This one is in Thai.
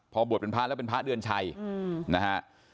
พอบวชเป็นพระแล้วเป็นพระเดือนชัยนะฮะ